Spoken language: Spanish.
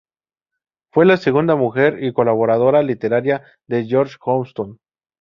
Fue la segunda mujer y colaboradora literaria de George Johnston.